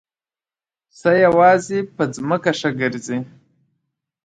پسه یوازې په ځمکه ښه ګرځي.